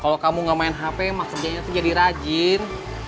kalau kamu gak main hp maksajanya tuh jadi rajin